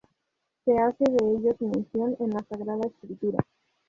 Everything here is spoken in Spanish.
Se hace de ellos mención en la Sagrada Escritura.